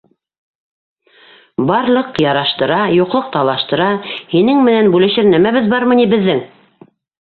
Барлыҡ яраштыра, юҡлыҡ талаштыра, һинең менән бүлешер нәмәбеҙ бармы ни беҙҙең?